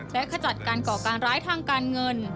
และขจัดการก่อการร้ายทางการเงิน